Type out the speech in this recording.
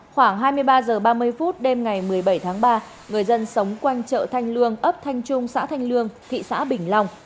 khoảng hai mươi ba h ba mươi phút đêm ngày một mươi bảy tháng ba người dân sống quanh chợ thanh lương ấp thanh trung xã thanh lương thị xã bình long